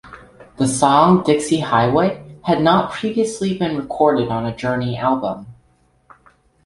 The song "Dixie Highway", had not previously been recorded on a Journey album.